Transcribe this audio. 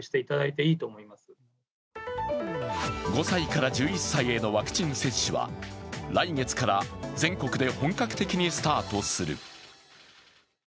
５歳から１１歳へのワクチン接種は来月から全国で本格的にスタートする。